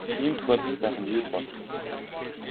Ийм тохиолдол байх нь юу л бол.